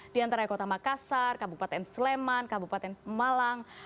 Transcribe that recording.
diantaranya kota makassar kabupaten sleman kabupaten malang